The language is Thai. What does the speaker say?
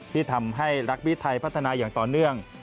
ที่ทำให้ที่ทัยพัฒนายังต่อเนื่อง